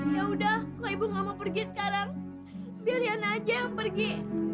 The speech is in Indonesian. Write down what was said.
ya udah kalau ibu nggak mau pergi sekarang biar yana aja yang pergi